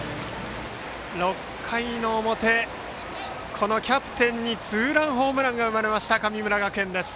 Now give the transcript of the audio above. ６回の表、キャプテンにツーランホームランが生まれた神村学園です。